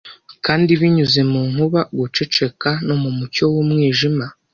Kandi binyuze mu nkuba guceceka, no mu mucyo w'umwijima. "